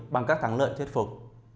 bằng các thắng lợi thuyết phục